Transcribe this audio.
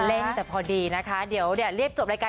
เล่นแต่พอดีนะคะเดี๋ยวเนี่ยเรียกจบรายการ